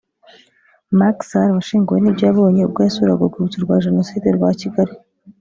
Macky Sall washenguwe n’ibyo yabonye ubwo yasuraga Urwibutso rwa Jenoside rwa Kigali